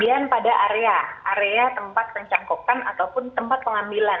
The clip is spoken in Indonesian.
ada area area tempat tercangkupkan ataupun tempat pengambilan